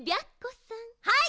はい！